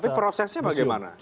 tapi prosesnya bagaimana